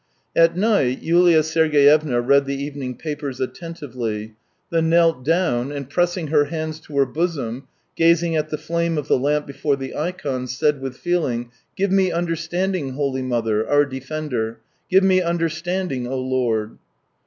At night Yulia Sergey evna read the evening prayers attentively, then knelt down, and pressing her hands to her bosom, gazing at the flame of the lamp before the ikon, said with feeling: " Give me understanding, Holy Mother, our Defender ! Give me understanding, O Lord